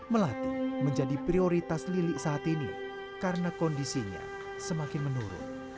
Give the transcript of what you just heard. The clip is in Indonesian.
melati menjadi prioritas lili saat ini karena kondisinya semakin menurun